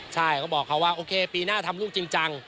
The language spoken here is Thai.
ใช่เขาบอกเขาว่าโอเคปีหน้าทำลูกจริงจัง